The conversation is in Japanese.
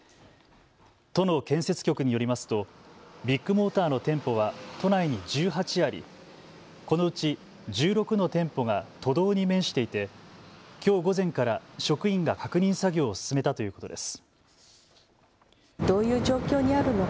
都の建設局によりますとビッグモーターの店舗は都内に１８あり、このうち１６の店舗が都道に面していてきょう午前から職員が確認作業を進めたということです。